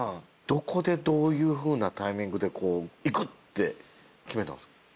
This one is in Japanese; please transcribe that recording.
どこでどういうふうなタイミングでいくって決めたんすか？